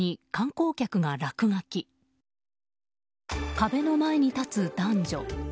壁の前に立つ男女。